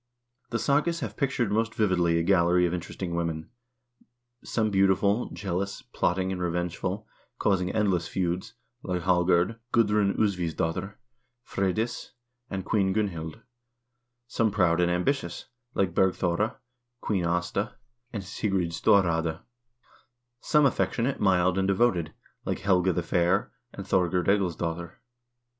The sagas have pictured most vividly a gallery of interesting women ; some beautiful, jealous, plotting, and revengeful, causing endless feuds, like Hallgerd, Gudrun Usvivs dotter, Freydis, and Queen Gunhild ; some proud and ambitious, like Bergthora, Queen Aasta, and Sigrid Storraade ; some affection ate, mild, and devoted, like Helga the Fair and Thorgerd Egilsdotter.